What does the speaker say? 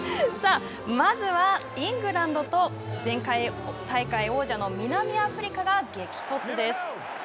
まずはイングランドと、大会王者の南アフリカが激突です。